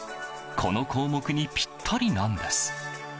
この項目にピッタリなんです。